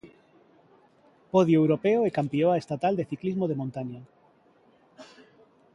Podio europeo e campioa estatal de ciclismo de montaña.